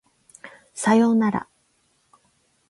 左様なら